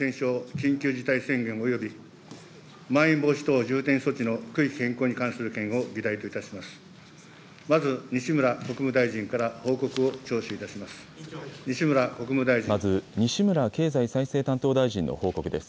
緊急事態宣言およびまん延防止等重点措置の区域変更に関する件を議題といたします。